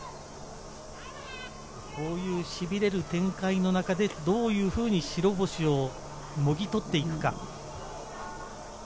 こういうしびれる展開の中でどういうふうに白星をもぎ取っていくか。